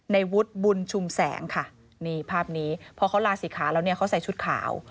ในวุฒิบุญชุมแสงค่ะนี่ภาพนี้พอเขาลาศีขาแล้วเนี่ยเขาใส่ชุดขาว